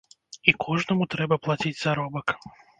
І кожнаму трэба плаціць заробак.